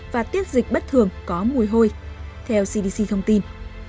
và tiết dịch bất thường có mùi hôi theo cdc thông tin